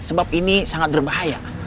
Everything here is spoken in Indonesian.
sebab ini sangat berbahaya